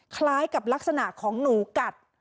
คล้ายกับลักษณะของหนูกัด